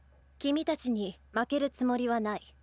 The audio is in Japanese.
君たちに負けるつもりはない。